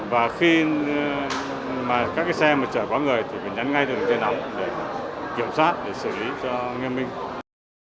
và khi mà các xe mà chở quá người thì phải nhắn ngay từ trên nóng để kiểm soát để xử lý cho nghiêm minh